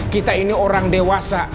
kita ini orang dewasa